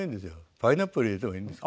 パイナップル入れてもいいんですよ。